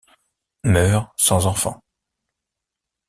Meurt sans enfants.